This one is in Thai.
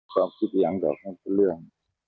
ความคิดอย่างเก่าให้บริหารเลือก